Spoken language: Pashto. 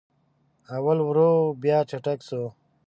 اول ورو و بیا چټک سو